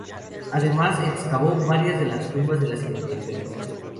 Además excavó varias de las tumbas de las inmediaciones.